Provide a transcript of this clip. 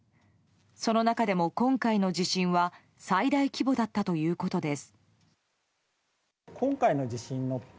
その中でも今回の地震は最大規模だったということです。